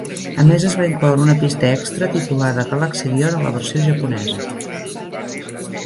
A més, es va incloure una pista extra titulada "Galaxidion" a la versió japonesa.